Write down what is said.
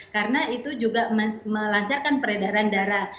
karena itu juga melancarkan peredaran darah